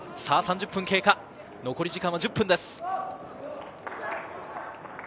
３０分経過、残り時間は１０分です。